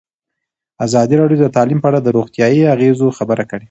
ازادي راډیو د تعلیم په اړه د روغتیایي اغېزو خبره کړې.